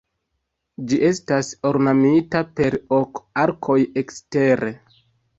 Ĝi estas ornamita per ok arkoj ekstere.